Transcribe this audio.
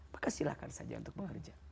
maka silahkan saja untuk bekerja